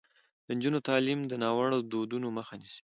د نجونو تعلیم د ناوړه دودونو مخه نیسي.